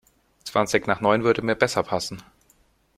Zwanzig nach neun würde mir besser passen.